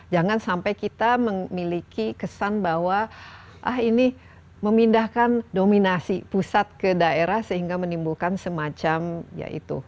jangan sampai kita memiliki kesan bahwa ah ini memindahkan dominasi pusat ke daerah sehingga menimbulkan semacam ya itu